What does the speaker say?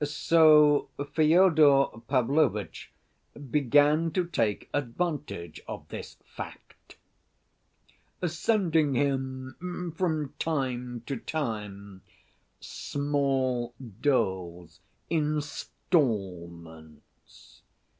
So Fyodor Pavlovitch began to take advantage of this fact, sending him from time to time small doles, installments.